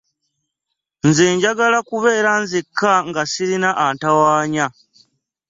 Nze njagala kubeera nzeka nga sirina antawanya.